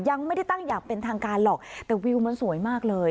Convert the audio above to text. ยังไม่ได้ตั้งอย่างเป็นทางการหรอกแต่วิวมันสวยมากเลย